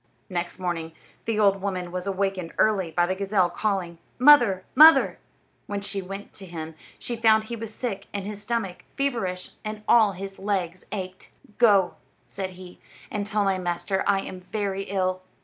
Next morning the old woman was awakened early by the gazelle calling, "Mother! Mother!" When she went to him she found he was sick in his stomach, feverish, and all his legs ached. "Go," said he, "and tell my master I am very ill."